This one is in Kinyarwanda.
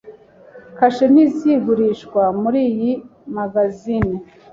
Kashe ntizigurishwa muriyi mangazini.